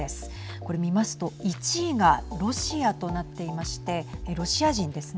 これ見ますと１位がロシアとなっていましてロシア人ですね。